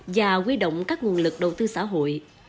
và quy động các nguồn lực đầu tư xã hội